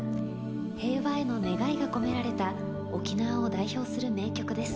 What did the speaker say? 平和への願いが込められた沖縄を代表する名曲です。